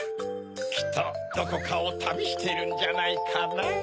きっとどこかをたびしてるんじゃないかな。